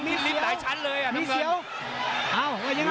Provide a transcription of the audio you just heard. ขึ้นลิฟต์หลายชั้นเลยอ่ะน้องเมิตนมีเสียวโอ้วว่ายังไง